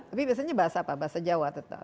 tapi biasanya bahasa apa bahasa jawa tetap